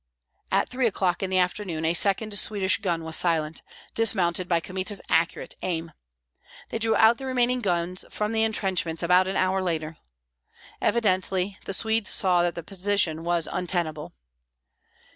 At three o'clock in the afternoon a second Swedish gun was silent, dismounted by Kmita's accurate aim. They drew out the remaining guns from the intrenchments about an hour later. Evidently the Swedes saw that the position was untenable.